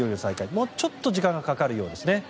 もうちょっと時間がかかるようですね。